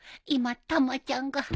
今たまちゃんが